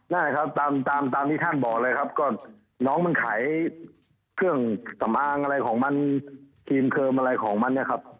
ได้ครับตามตามที่ท่านบอกเลยครับก็น้องมันขายเครื่องสำอางอะไรของมันครีมเคิมอะไรของมันเนี่ยครับ